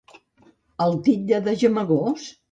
El titlla de gemegós?